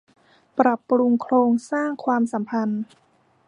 ปรับปรุงโครงสร้างความสัมพันธ์